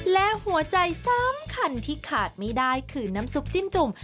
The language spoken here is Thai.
และหัวใจสำคัญที่ขาดไม่ได้คือน้ำซุปจิ้มจุ่ม